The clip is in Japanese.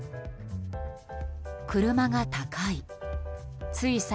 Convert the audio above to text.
車が高い。